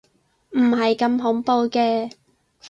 唔係咁恐怖嘅